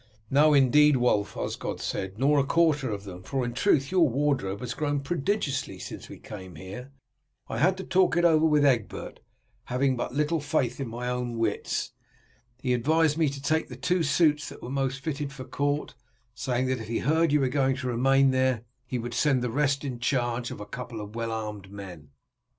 "No indeed, Wulf," Osgod said, "nor a quarter of them, for in truth your wardrobe has grown prodigiously since we came here. I had to talk it over with Egbert, having but little faith in my own wits. He advised me to take the two suits that were most fitted for court, saying that if he heard you were going to remain there he would send on the rest in charge of a couple of well armed men."